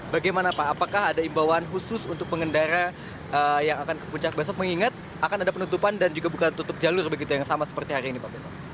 bagaimana pak apakah ada imbauan khusus untuk pengendara yang akan ke puncak besok mengingat akan ada penutupan dan juga buka tutup jalur begitu yang sama seperti hari ini pak besok